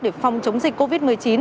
để phòng chống dịch covid một mươi chín